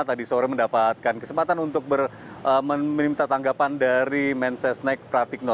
tadi sore mendapatkan kesempatan untuk meminta tanggapan dari mensesnek pratikno